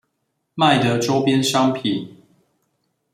賣的週邊商品